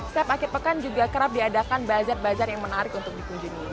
setiap akhir pekan juga kerap diadakan bazar bazar yang menarik untuk dikunjungi